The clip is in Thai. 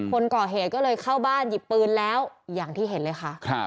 คนก่อเหตุก็เลยเข้าบ้านหยิบปืนแล้วอย่างที่เห็นเลยค่ะ